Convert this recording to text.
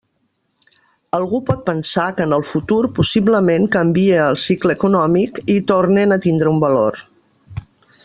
Algú pot pensar que en el futur possiblement canvie el cicle econòmic i tornen a tindre un valor.